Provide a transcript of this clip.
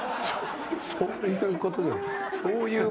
そういう事じゃない。